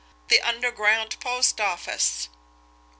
THE UNDERGROUND POST OFFICE!"